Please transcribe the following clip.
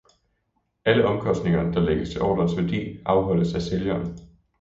Alle omkostninger, der lægges til ordrens værdi, afholdes af sælgeren.